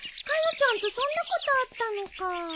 ちゃんとそんなことあったのか。